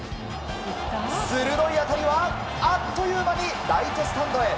鋭い当たりはあっという間にライトスタンドへ！